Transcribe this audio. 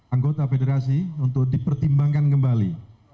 anggota federasi untuk dipertimbangkan kembali